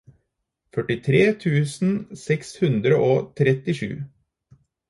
førtitre tusen seks hundre og trettisju